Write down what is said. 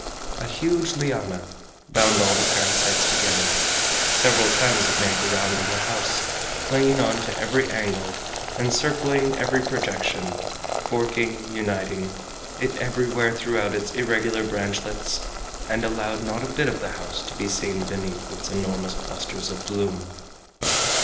A huge liana bound all the parasites together; several times it made the round of the house, clinging on to every angle, encircling every projection, forking, uniting, it everywhere threw out its irregular branchlets, and allowed not a bit of the house to be seen beneath its enormous clusters of bloom.